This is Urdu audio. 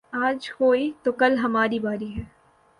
آج کوئی تو کل ہماری باری ہے